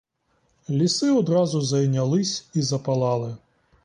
Ліси одразу зайнялись і запалали.